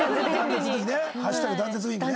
断絶ウインクね。